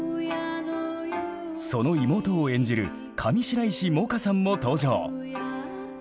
その妹を演じる上白石萌歌さんも登場。